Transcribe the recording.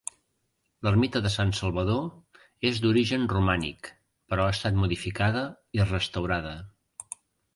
L'ermita de Sant Salvador és d'origen romànic, però ha estat modificada i restaurada.